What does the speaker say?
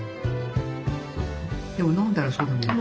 でも飲んだらそうでもない。